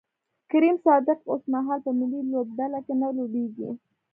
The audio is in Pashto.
کریم صادق اوسمهال په ملي لوبډله کې نه لوبیږي